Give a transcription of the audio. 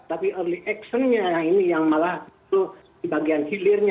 tapi awal awalnya ini yang malah itu di bagian hilirnya